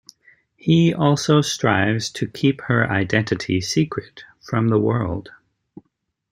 He also strives to keep her identity secret from the world.